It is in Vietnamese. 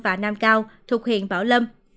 và nam cao thuộc huyện bảo lâm